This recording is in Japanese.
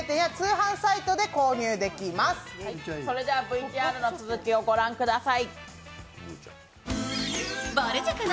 ではＶＴＲの続きをご覧ください。